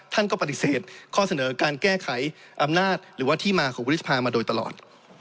ท่านก็ปฏิเสธข้อเสนอการแก้ไขอำนาจหรือว่าที่มาของวุฒิสภามาโดยตลอด